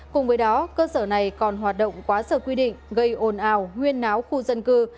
cùng với đó cơ sở này còn hoạt động quá sợ quy định gây ồn ào huyên náo khu dân cư